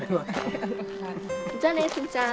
じゃあね、つんちゃん。